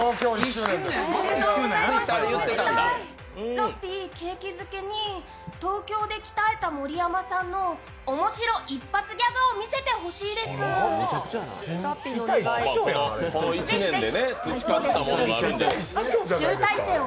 ラッピー、景気づけに東京で鍛えた盛山さんの面白一発ギャグを見せてほしいです、ぜひぜひ、集大成を。